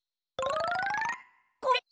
これ！